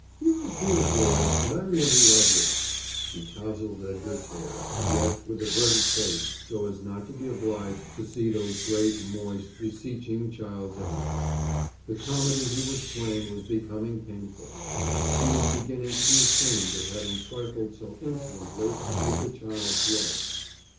You're a dear boy, and I really love you." He tousled Edgar's hair, yet with averted face so as not to be obliged to see those great moist, beseeching child's eyes. The comedy he was playing was becoming painful. He was beginning to be ashamed of having trifled so insolently with the child's love.